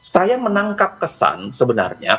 saya menangkap kesan sebenarnya